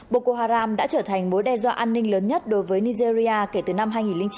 boko haram đã trở thành mối đe do an ninh lớn nhất đối với nigeria kể từ năm hai nghìn chín